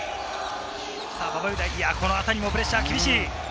このあたりもプレッシャーが厳しい。